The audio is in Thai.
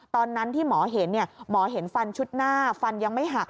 ตอนนั้นที่หมอเห็นหมอเห็นฟันชุดหน้าฟันยังไม่หัก